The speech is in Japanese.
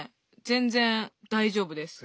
全然大丈夫です。